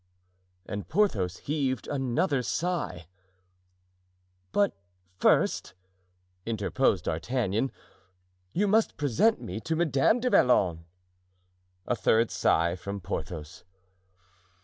And Porthos heaved another sigh. "But, first," interposed D'Artagnan, "you must present me to Madame du Vallon." A third sigh from Porthos.